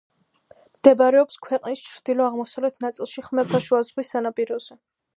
მდებარეობს ქვეყნის ჩრდილო-აღმოსავლეთ ნაწილში, ხმელთაშუა ზღვის სანაპიროზე.